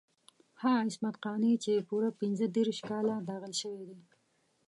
هغه عصمت قانع چې پوره پنځه دېرش کاله داغل شوی دی.